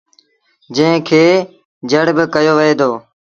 جݩهݩ کي جڙ با ڪهيو وهي دو۔